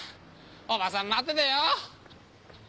おばさん待っててよ！